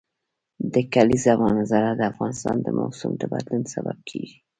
د کلیزو منظره د افغانستان د موسم د بدلون سبب کېږي.